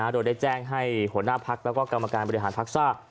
โดยได้แจ้งให้หัวหน้าภักดิ์และกรรมการบริหารภักดิ์ชาติ